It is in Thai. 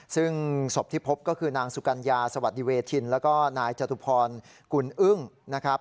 ซึ่งศพที่พบก็คือนางสุกัญญาสวัสดีเวทินแล้วก็นายจตุพรกุลอึ้งนะครับ